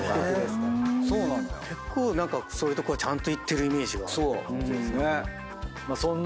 結構何かそういうとこちゃんと行ってるイメージがある。